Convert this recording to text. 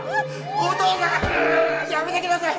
お義父さんやめてください！